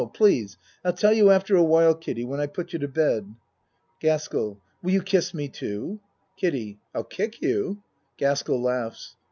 Please. I'll tell you after awhile, Kiddie when I put you to bed. GASKELL Will you kiss me too? KIDDIE I'll kick you. (Gaskell laughs.)